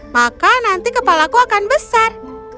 maka nanti kepala aku akan besar